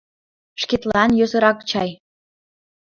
— Шкетлан йӧсырак чай?